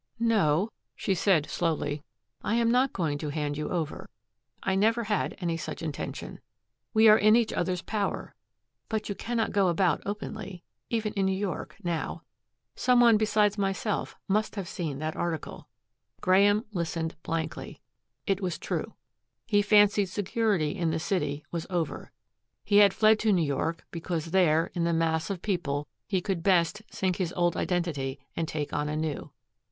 "No," she said slowly, "I am not going to hand you over. I never had any such intention. We are in each other's power. But you cannot go about openly, even in New York, now. Some one besides myself must have seen that article." Graeme listened blankly. It was true. His fancied security in the city was over. He had fled to New York because there, in the mass of people, he could best sink his old identity and take on a new.